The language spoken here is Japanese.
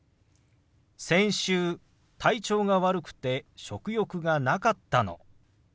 先週体調が悪くて食欲がなかったの。